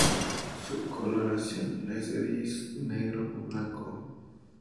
Su coloración es gris, negro con blanco.